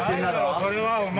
それはお前。